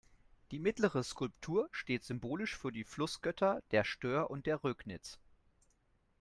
Die mittlere Skulptur steht symbolisch für die Flussgötter der Stör und der Rögnitz.